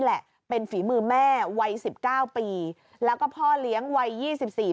แหละเป็นฝีมือแม่วัยสิบเก้าปีแล้วก็พ่อเลี้ยงวัยยี่สิบสี่ปี